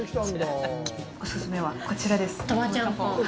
お勧めは、こちらです。